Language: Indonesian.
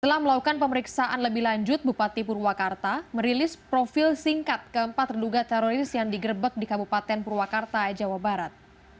setelah melakukan pemeriksaan lebih lanjut bupati purwakarta merilis profil singkat keempat terduga teroris yang digerebek di kabupaten purwakarta jawa barat